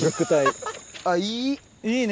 あっいい。